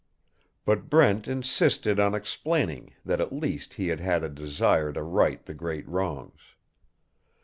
But Brent insisted on explaining that at least he had had a desire to right the great wrongs.